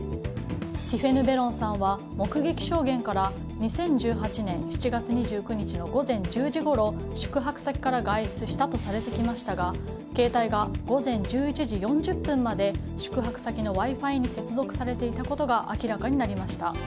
ティフェヌ・ベロンさんは目撃証言から、２０１８年７月２９日の午前１０時ごろ宿泊先から外出したとされてきましたが携帯が午前１１時４０分まで宿泊先のＷｉ‐Ｆｉに接続されていたことが明らかになりました。